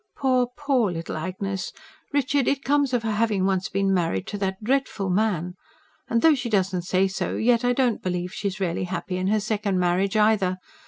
"Poor, poor little Agnes! Richard, it comes of her having once been married to that dreadful man. And though she doesn't say so, yet I don't believe she's really happy in her second marriage either.